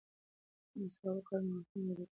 که مسواک وکاروې نو غاښونه به دې کلک شي.